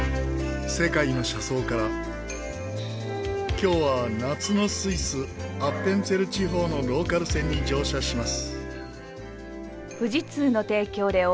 今日は夏のスイスアッペンツェル地方のローカル線に乗車します。